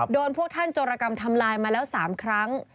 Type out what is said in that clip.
พวกท่านโจรกรรมทำลายมาแล้ว๓ครั้ง